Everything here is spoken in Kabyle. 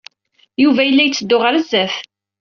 Yuba yella yetteddu ɣer sdat.